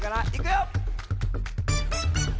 いくよ！